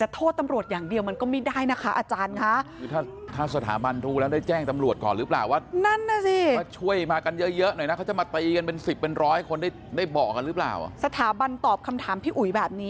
ตำรวจมารังับเหตุ